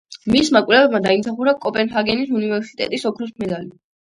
მისმა კვლევებმა დაიმსახურა კოპენჰაგენის უნივერსიტეტის ოქროს მედალი.